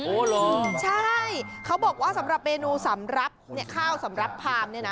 เหรอใช่เขาบอกว่าสำหรับเมนูสำหรับเนี่ยข้าวสำหรับพามเนี่ยนะ